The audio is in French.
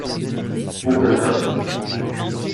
Open Cup.